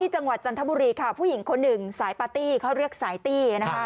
ที่จังหวัดจรรย์ธรรมดีค่ะผู้หญิงคนหนึ่งสายปาร์ตี้เขาเรียกสายตี้